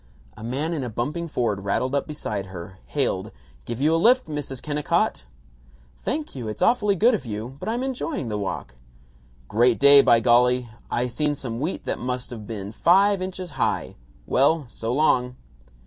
A man in a bumping Ford rattled up beside her, hailed, "Give you a lift, Mrs. Kennicott?" "Thank you. It's awfully good of you, but I'm enjoying the walk." "Great day, by golly. I seen some wheat that must of been five inches high. Well, so long."